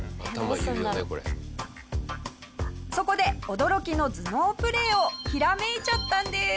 下平：そこで驚きの頭脳プレーをひらめいちゃったんです。